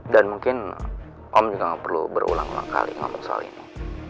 dan mungkin om juga nggak perlu berulang ulang kali ngomong soal ini